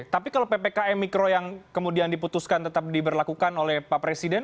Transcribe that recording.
tapi kalau ppkm mikro yang kemudian diputuskan tetap diberlakukan oleh pak presiden